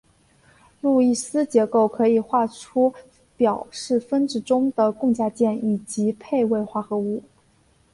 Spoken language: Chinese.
路易斯结构可以画出表示分子中的共价键以及配位化合物。